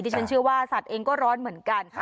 ฉันเชื่อว่าสัตว์เองก็ร้อนเหมือนกัน